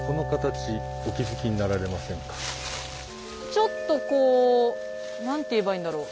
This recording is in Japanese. ちょっとこう何て言えばいいんだろう